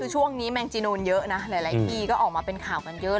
ช่วงนี้แมงจีนูนเยอะนะหลายที่ก็ออกมาเป็นข่าวกันเยอะ